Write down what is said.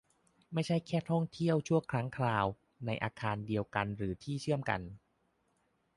ไม่ใช่แค่ท่องเที่ยวชั่วครั้งคราว ในอาคารเดียวกันหรือที่เชื่อมกัน